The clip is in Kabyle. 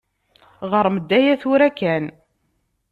Ɣṛem-d aya tura kan.